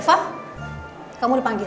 reva kamu dipanggil